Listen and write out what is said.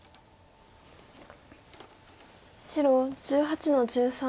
白１８の十三。